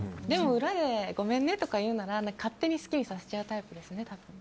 でも、裏でごめんねとか勝手に好きにさせちゃうタイプですよね。